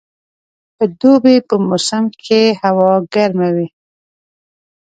د دوبي په موسم کښي هوا ګرمه وي.